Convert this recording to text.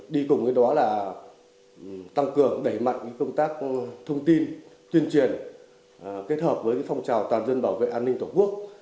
đi cùng với đó là tăng cường đẩy mạnh công tác thông tin tuyên truyền kết hợp với phong trào toàn dân bảo vệ an ninh tổ quốc